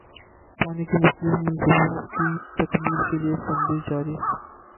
پانی کے مختلف منصوبوں کی تکمیل کیلئے فنڈز جاری